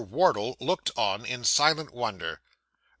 Wardle looked on in silent wonder.